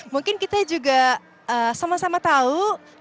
mungkin kita juga sama sama tahu